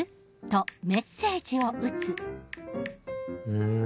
うん。